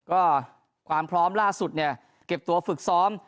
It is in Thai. ก็ความพร้อมล่าสุดเนี่ยเก็บตัวฝึกซ้อม